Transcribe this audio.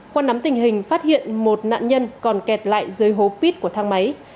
quan nắm tình hình phát hiện một nạn nhân còn kẹt lại dưới hố pit của thang máy